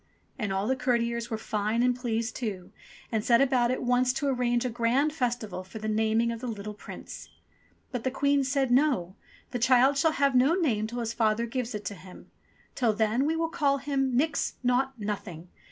And all the courtiers were fine and pleased too, and set about at once to arrange a grand festival for the naming of the little Prince. But the Queen said, "No! The child shall have no name till his father gives it to him. Till then we will call him *Nix ! Naught ! Nothing